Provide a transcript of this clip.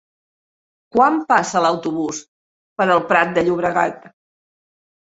Quan passa l'autobús per el Prat de Llobregat?